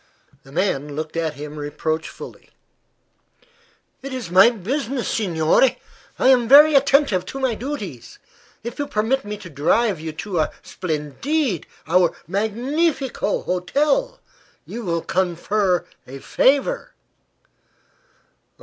The man looked at him reproachfully. "It is my business, signore. I am very attentive to my duties. If you permit me to drive you to our splendide our magnifico hotel you will confer a favor."